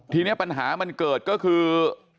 ทีนี้ปัญหามันเกิดก็คือ